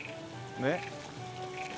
ねっ。